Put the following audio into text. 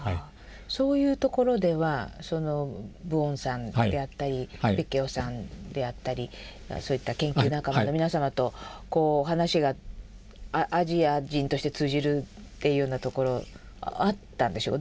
そういうところではプオンさんであったりピッ・ケオさんであったりそういった研究仲間の皆様と話がアジア人として通じるっていうようなところあったんでしょうか？